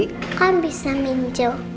kan bisa minjol